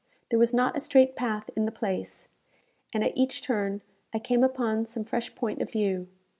There was not a straight path in the place, and at each turn I came upon some fresh point of view.